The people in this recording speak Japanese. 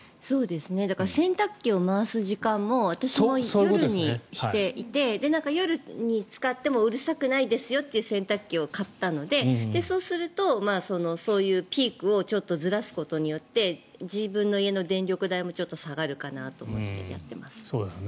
洗濯機を回す時間も私は夜にしていて夜に使ってもうるさくないですよという洗濯機を買ったのでそうするとそういうピークをずらすことによって自分の家の電力代も下がるかなと思ってやっています。